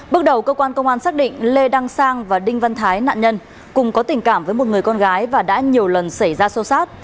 bước đầu cơ quan công an xác định lê đăng sang và đinh văn thái nạn nhân cùng có tình cảm với một người con gái và đã nhiều lần xảy ra xô xát